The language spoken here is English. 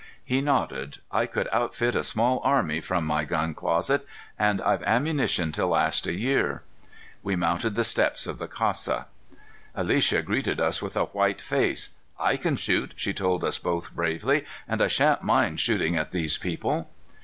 He nodded. "I could outfit a small army from my gun chest and I've ammunition to last a year." We mounted the steps of the casa. Alicia greeted us with a white face. "I can shoot," she told us both bravely, "and I shan't mind shooting at these people."